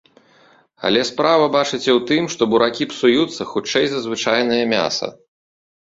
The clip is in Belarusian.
Але справа, бачыце, у тым, што буракі псуюцца хутчэй за звычайнае мяса.